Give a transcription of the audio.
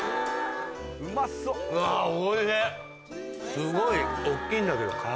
すごい大っきいんだけど軽いの。